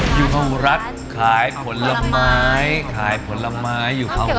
อยู่ข้างอุรัฐขายผลไม้